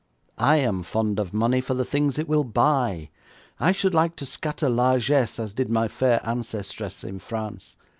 I am fond of money for the things it will buy. I should like to scatter largesse as did my fair ancestress in France.